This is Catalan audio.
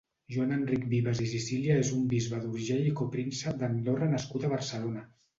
Joan-Enric Vives i Sicília és un bisbe d'Urgell i copríncep d'Andorra nascut a Barcelona.